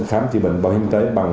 khám chữa bệnh bảo hiểm y tế bằng